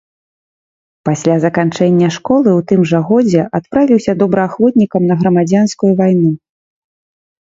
Пасля заканчэння школы ў тым жа годзе адправіўся добраахвотнікам на грамадзянскую вайну.